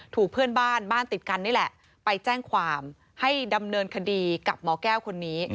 ถูกเพื่อนบ้านบ้านติดกันนี่แหละไปแจ้งความให้ดำเนินคดีกับหมอแก้วคนนี้